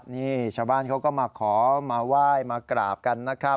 นี่ชาวบ้านเขาก็มาขอมาไหว้มากราบกันนะครับ